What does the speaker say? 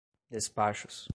despachos